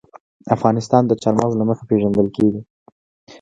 افغانستان د چار مغز له مخې پېژندل کېږي.